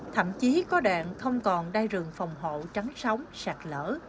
thậm chí có đoạn không còn đai rừng phòng hộ trắng sóng sạt lở